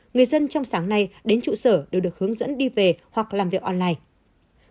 người dân trong sáng nay đến trụ sở đều được hướng dẫn đi về hoặc làm việc online